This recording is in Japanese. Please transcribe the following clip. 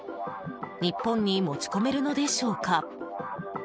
日本に持ち込めるのでしょうか。